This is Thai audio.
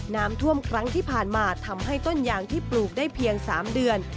น้ำท่วมครั้งที่ผ่านมาทำให้ต้นยางที่ปลูกได้เพียง๓เดือน